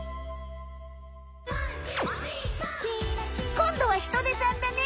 こんどはヒトデさんだね。